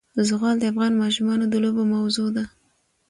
زغال د افغان ماشومانو د لوبو موضوع ده.